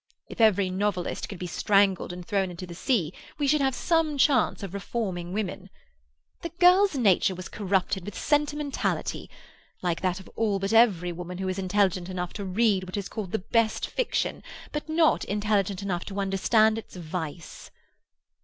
If every novelist could be strangled and thrown into the sea we should have some chance of reforming women. The girl's nature was corrupted with sentimentality, like that of all but every woman who is intelligent enough to read what is called the best fiction, but not intelligent enough to understand its vice.